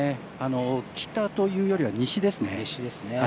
北というよりは西ですね。